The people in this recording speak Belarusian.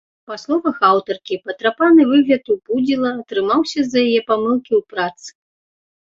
Па словах аўтаркі, патрапаны выгляд у пудзіла атрымаўся з-за яе памылкі ў працы.